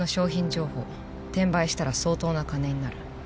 情報転売したら相当な金になる。